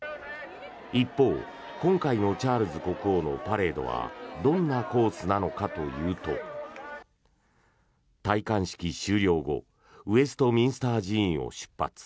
一方、今回のチャールズ国王のパレードはどんなコースなのかというと戴冠式終了後ウェストミンスター寺院を出発。